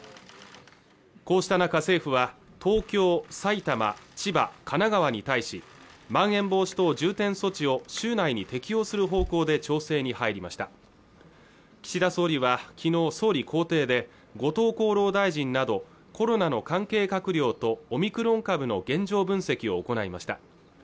こうした中、政府は東京埼玉千葉神奈川に対しまん延防止等重点措置を週内に適用する方向で調整に入りました岸田総理はきのう総理公邸で後藤厚労大臣などコロナの関係閣僚とオミクロン株の現状分析を行いました